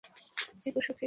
চিকু সুখী, আমি সুখী।